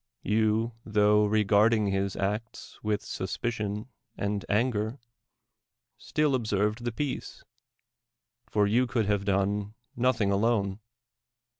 You, tho regarding his acts with suspicion and anger, still observed the peace ; for you could have done nothing alone.